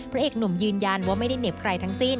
พระเอกหนุ่มยืนยันว่าไม่ได้เหน็บใครทั้งสิ้น